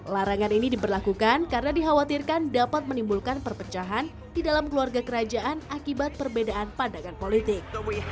larangan ini diberlakukan karena dikhawatirkan dapat menimbulkan perpecahan di dalam keluarga kerajaan akibat perbedaan pandangan politik